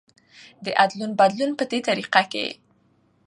د ادلون بدلون په دې طريقه کې